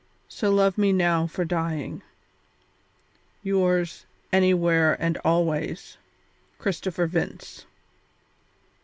So love me now for dying. "Yours, anywhere and always, CHRISTOPHER VINCE."